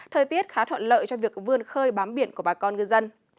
thời tiết khá thuận lợi cho việc vươn khơi bám biển của bà con ngư dân